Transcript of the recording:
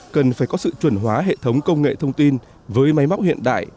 cần phải có sự chuẩn hóa hệ thống công nghệ thông tin với máy móc hiện đại